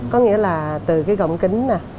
có nghĩa là từ cái gọng kính